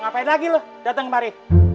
ngapain lagi loh datang kemari